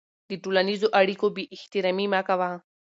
د ټولنیزو اړیکو بېاحترامي مه کوه.